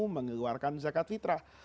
mengeluarkan zakat fitrah